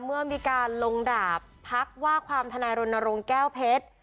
เมื่อมีการลงดาบพักว่าความทนายรณรงค์แก้วเพชร